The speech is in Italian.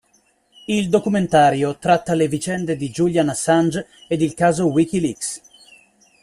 Il documentario tratta le vicende di Julian Assange ed il caso WikiLeaks.